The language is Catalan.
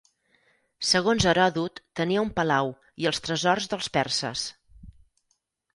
Segons Heròdot, tenia un palau i els tresors dels perses.